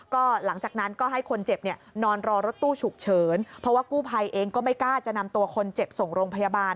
ก็หลังจากนั้นก็ให้คนเจ็บเนี่ยนอนรอรถตู้ฉุกเฉินเพราะว่ากู้ภัยเองก็ไม่กล้าจะนำตัวคนเจ็บส่งโรงพยาบาล